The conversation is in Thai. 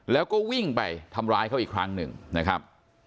แล้วก็วิ่งไปทำร้ายเขาอีกครั้งหนึ่งนะครับ